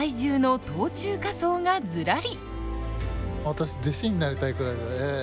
私弟子になりたいくらいです。